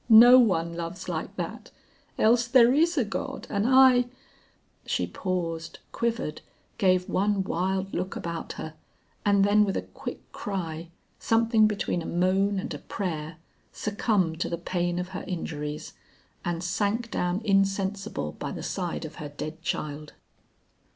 No one loves like that; else there is a God and I " She paused, quivered, gave one wild look about her, and then with a quick cry, something between a moan and a prayer, succumbed to the pain of her injuries, and sank down insensible by the side of her dead child.